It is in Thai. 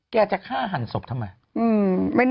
จะฆ่าหันศพทำไม